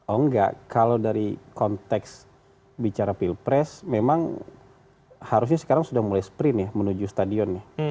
oh enggak kalau dari konteks bicara pilpres memang harusnya sekarang sudah mulai sprint ya menuju stadion nih